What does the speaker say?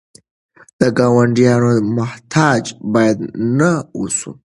د ګاونډیانو محتاج باید نه اوسو.